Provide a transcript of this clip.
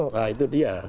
nah itu dia